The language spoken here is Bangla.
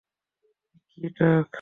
কী, ড্রাক?